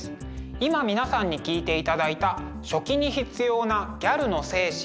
今皆さんに聴いていただいた「書記に必要なギャルの精神」。